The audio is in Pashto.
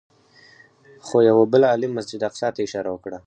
خو یوه بل عالم مسجد اقصی ته اشاره وکړه.